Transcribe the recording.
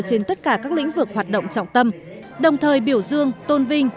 trên tất cả các lĩnh vực hoạt động trọng tâm đồng thời biểu dương tôn vinh